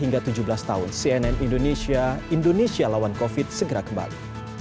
hingga tujuh belas tahun cnn indonesia indonesia lawan covid sembilan belas segera kembali